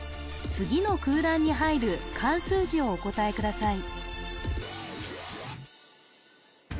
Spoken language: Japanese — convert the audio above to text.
次の空欄に入る漢数字をお答えください